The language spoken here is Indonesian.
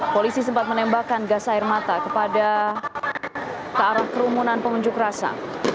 polisi sempat menembakkan gas air mata kepada ke arah kerumunan pengunjuk rasa